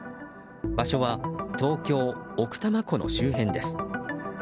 場所は東京・奥多摩湖の周辺です。